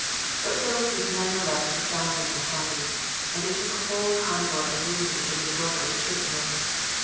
But Phyllis was none the less profoundly unhappy, and it took a whole convoy of wounded to restore her to cheerfulness.